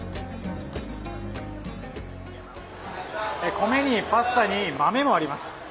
米にパスタに豆もあります。